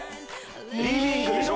リビングでしょ？